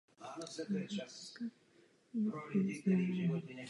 Je ale velmi těžké je rozlišovat.